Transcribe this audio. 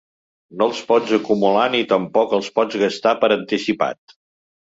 No els pots acumular ni tampoc els pots gastar per anticipat».